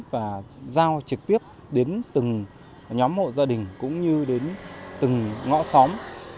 và giao trực tiếp đến từng nhóm hộ gia đình cũng như đến từng ngõ xóm